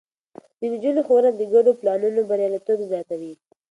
د نجونو ښوونه د ګډو پلانونو برياليتوب زياتوي.